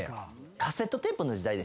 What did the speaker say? カセットテープの時代でして。